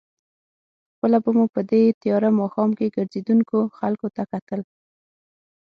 خپله به مو په دې تېاره ماښام کې ګرځېدونکو خلکو ته کتل.